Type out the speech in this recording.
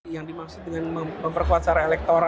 yang dimaksud dengan memperkuat secara elektoral